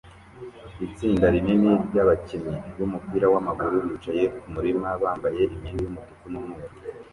itsinda rinini ryabakinnyi bumupira wamaguru bicaye kumurima bambaye imyenda yumutuku numweru